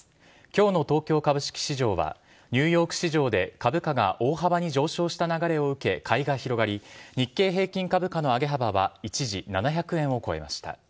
きょうの東京株式市場は、ニューヨーク市場で株価が大幅に上昇した流れを受け、買いが広がり、日経平均株価の上げ幅は一時７００円を超えました。